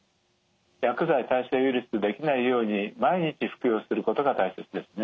薬剤耐性ウイルスできないように毎日服用することが大切ですね。